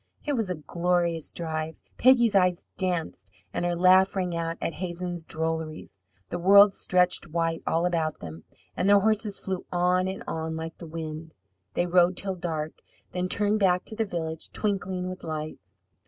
It was a glorious drive. Peggy's eyes danced and her laugh rang out at Hazen's drolleries. The world stretched white all about them, and their horses flew on and on like the wind. They rode till dark, then turned back to the village, twinkling with lights.